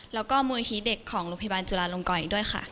แล้วก็มูลนิธิเด็กของโรงพยาบาลจุฬาลงกรอีกด้วยค่ะ